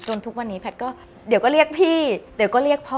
ทุกวันนี้แพทย์ก็เดี๋ยวก็เรียกพี่เดี๋ยวก็เรียกพ่อ